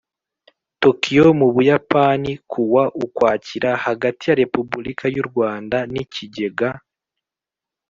Tokyo mu Buyapani kuwa Ukwakira hagati ya Repubulika y u Rwanda n Ikigega